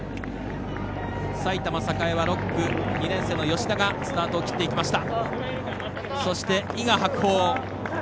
埼玉栄は６区、２年生の吉田がスタートを切っていきました。